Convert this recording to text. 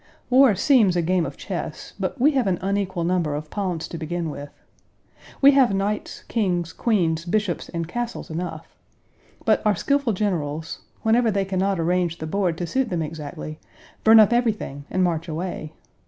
War seems a game of chess, but we have an unequal number of pawns to begin with. We have knights, kings, queens, bishops, and castles enough. But our skilful generals, whenever they can not arrange the board to suit them exactly, burn up everything and march away.